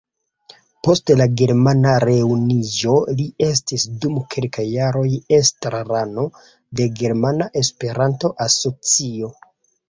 Post la germana reunuiĝo li estis dum kelkaj jaroj estrarano de Germana Esperanto-Asocio.